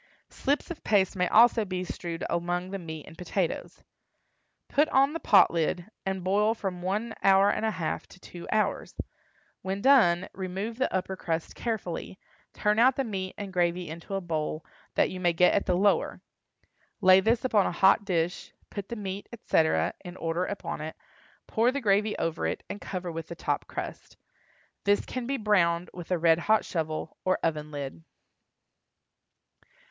Slips of paste may also be strewed among the meat and potatoes. Put on the pot lid, and boil from one hour and a half to two hours. When done, remove the upper crust carefully, turn out the meat and gravy into a bowl, that you may get at the lower. Lay this upon a hot dish, put the meat, etc., in order upon it, pour the gravy over it, and cover with the top crust. This can be browned with a red hot shovel, or oven lid.